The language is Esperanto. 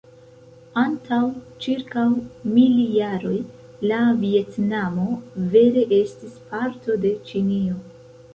Antaŭ ĉirkaŭ mil jaroj, la Vjetnamo vere estis parto de Ĉinio.